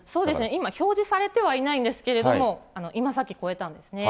今表示されてはいないんですけど、今さっき超えたんですね。